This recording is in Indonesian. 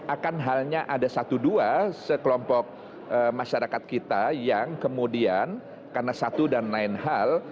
akan halnya ada satu dua sekelompok masyarakat kita yang kemudian karena satu dan lain hal